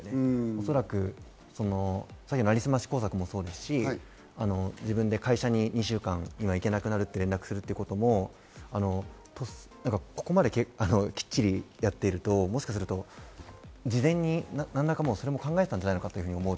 おそらく成り済まし工作もそうですし、自分で会社に２週間行けなくなると連絡することも、ここまできっちりやっていると、もしかすると事前に考えていたんじゃないかと。